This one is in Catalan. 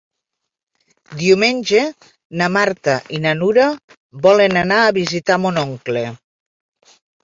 Diumenge na Marta i na Nura volen anar a visitar mon oncle.